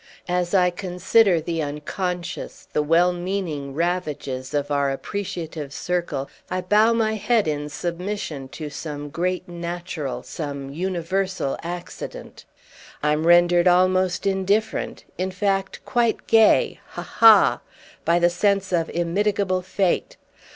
As I consider the unconscious, the well meaning ravages of our appreciative circle I bow my head in submission to some great natural, some universal accident; I'm rendered almost indifferent, in fact quite gay (ha ha!) by the sense of immitigable fate.